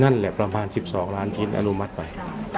นั่นแหละประมาณ๑๒ล้านชิ้นอนุมัติไป